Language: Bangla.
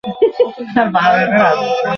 যতীন দেখিল, সে একগাছি শুকনো বকুলের মালা।